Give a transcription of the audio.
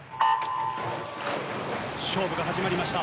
勝負が始まりました。